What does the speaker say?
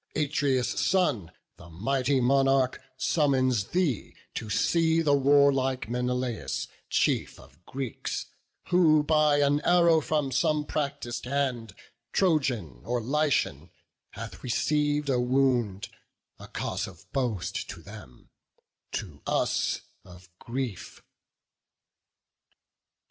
Atreus' son, The mighty monarch, summons thee to see The warlike Menelaus, chief of Greeks, Who by an arrow from some practis'd hand, Trojan or Lycian, hath receiv'd a wound; A cause of boast to them, to us of grief."